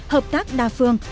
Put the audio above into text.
hợp tác đa phương